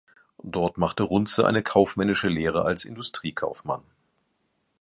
Dort machte Runze eine kaufmännische Lehre als Industriekaufmann.